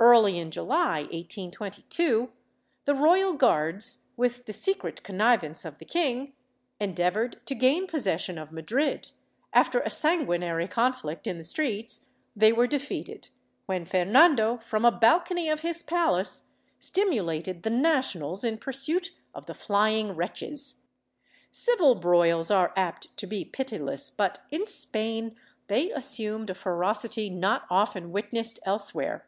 Early in July, 1822, the royal guards, with the secret connivance of the king, en deavored to gain possession of Madrid ; after a sanguinary conflict in the streets they were defeated, when Fernando, from a balcony of his palace, stimulated the nationals in pursuit of the flying wretches. Civil broils are apt to be pitiless, but in Spain they assumed a ferocity not often witnessed elsewhere.